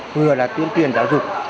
hứa là tuyên truyền giáo dục